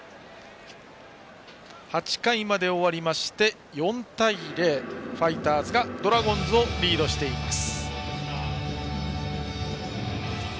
８回まで終わりまして４対０とファイターズがドラゴンズをリードしています。